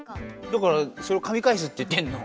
だからそれをかみかえすって言ってんの。